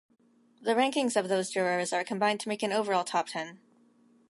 The rankings of those jurors are combined to make an overall top ten.